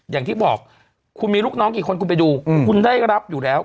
อย่างที่บอกคุณมีลูกน้องกี่คนคุณไปดูคุณได้รับอยู่แล้ว